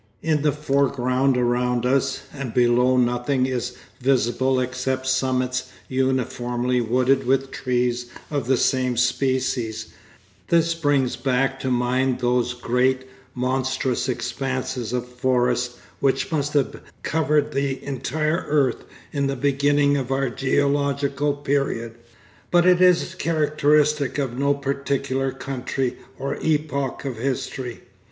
In the foreground around us and below nothing is visible except summits uniformly wooded with trees of the same species; this brings back to mind those great, monstrous expanses of forest which must have covered the entire earth in the beginning of our geological period, but it is characteristic of no particular country or epoch of history.